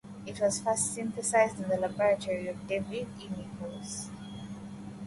It was first synthesized in the laboratory of David E. Nichols.